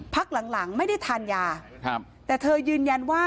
พักหลังไม่ทันยาแต่เธอยืนยันว่า